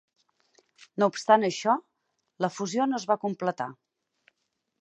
No obstant això, la fusió no es va completar.